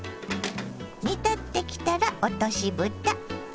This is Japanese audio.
煮立ってきたら落としぶた。